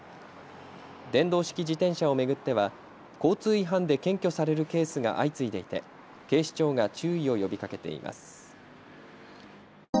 電動式自転車を巡っては交通違反で検挙されるケースが相次いでいて警視庁が注意を呼びかけています。